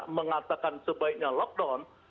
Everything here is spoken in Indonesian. mengatakan sebaiknya lockdown